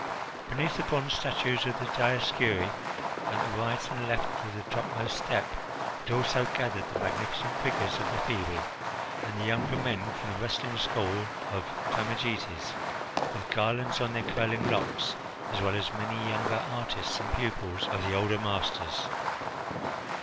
Beneath the bronze statues of the Dioscuri, at the right and left of the topmost step, had also gathered the magnificent figures of the Phebi and the younger men from the wrestling school of Timagetes, with garlands on their curling locks, as well as many younger artists and pupils of the older masters.